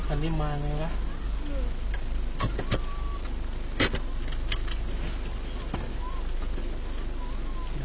จัดบาลเลย